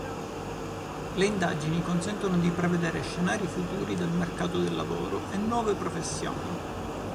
Le indagini consentono di prevedere scenari futuri del mercato del lavoro e nuove professioni.